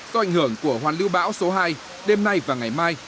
do ảnh hưởng của hoàn lưu bão số hai đêm nay và ngày mai